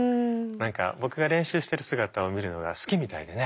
何か僕が練習してる姿を見るのが好きみたいでね。